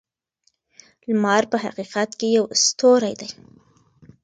لمر په حقیقت کې یو ستوری دی.